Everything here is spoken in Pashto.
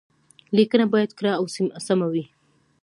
ليکنه بايد کره او سمه وي.